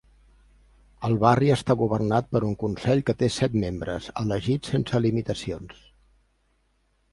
El barri està governat per un consell que té set membres elegits sense limitacions.